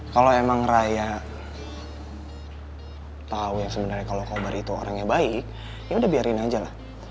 kalau emang raya tau yang sebenernya kalau kobra itu orang yang baik yaudah biarin aja lah